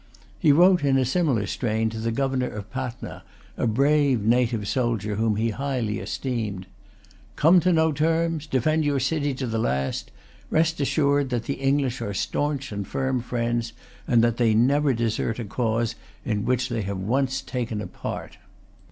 He wrote in a similar strain to the governor of Patna, a brave native soldier whom he highly esteemed. "Come to no terms; defend your city to the last. Rest assured that the English are staunch and firm friends, and that they never desert a cause in which they have once taken a part."